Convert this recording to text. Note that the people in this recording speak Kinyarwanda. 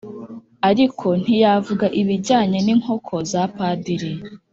ariko ntiyavuga ibijyanye n' inkoko za padiri.